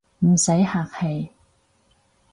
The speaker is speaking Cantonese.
唔使客氣